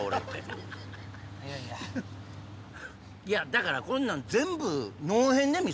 いやだからこんなん全部。